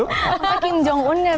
sekejong un ngga pak